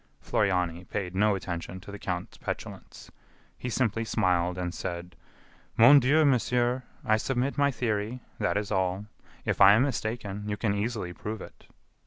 Floriani paid no attention to the count's petulance. He simply smiled and said: "Mon Dieu, monsieur, I submit my theory; that is all. If I am mistaken, you can easily prove it."